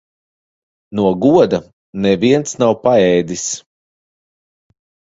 No goda neviens nav paēdis.